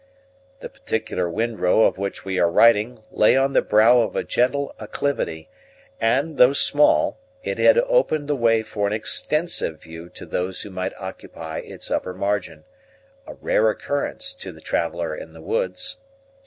The particular wind row of which we are writing lay on the brow of a gentle acclivity; and, though small, it had opened the way for an extensive view to those who might occupy its upper margin, a rare occurrence to the traveller in the woods.